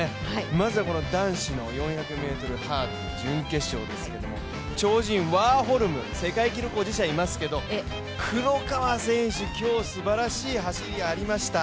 まずはこの男子の４００ｍハードル準決勝ですけれども、超人ワーホルム、世界記録保持者いますけれども、黒川選手、今日すばらしい走りがありました。